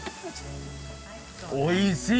おいしい！